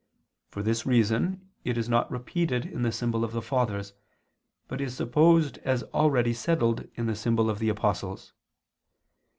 For this reason it is not repeated in the symbol of the Fathers, but is supposed as already settled in the symbol of the Apostles.